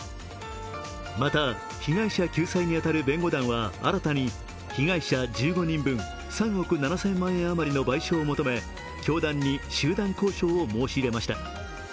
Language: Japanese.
また、被害者救済に当たる弁護団は新たに被害者１５人分、３億７０００万円あまりの賠償を求め教団に集団交渉を申し入れました。